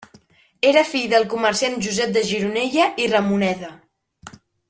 Era fill del comerciant Josep de Gironella i Ramoneda.